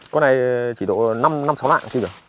con này chỉ độ năm sáu lạng không chịu cả